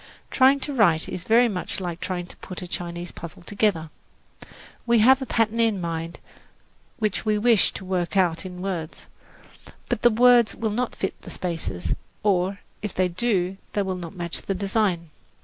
Trying to write is very much like trying to put a Chinese puzzle together. We have a pattern in mind which we wish to work out in words; but the words will not fit the spaces, or, if they do, they will not match the design.